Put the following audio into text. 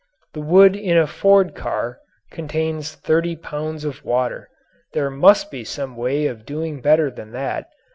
The wood in a Ford car contains thirty pounds of water. There must be some way of doing better than that.